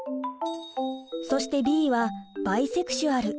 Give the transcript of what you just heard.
そして「Ｂ」はバイセクシュアル。